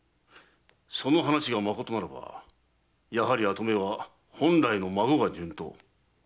その話がまことならばやはり跡目は本来の孫が順当。